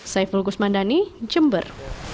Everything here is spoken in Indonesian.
saya fulgus mandani jember